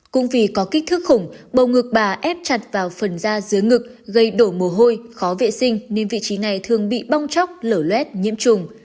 cũng vì có kích thức khủng bộ ngực bà ép chặt vào phần da dưới ngực gây đổ mồ hôi khó vệ sinh nên vị trí này thường bị bong chóc lở luet nhiễm trùng